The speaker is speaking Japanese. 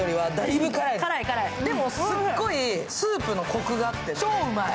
でも、すっごいスープのこくがあって超うまい。